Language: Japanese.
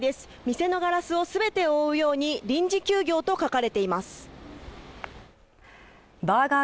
店のガラスをすべて覆うように臨時休業と書かれていますバーガー